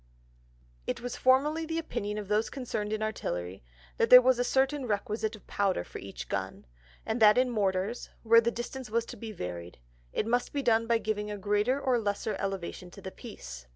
_ It was formerly the Opinion of those concerned in Artillery, that there was a certain requisite of Powder for each Gun, and that in Mortars, where the distance was to be varied, it must be done by giving a greater or lesser Elevation to the Piece.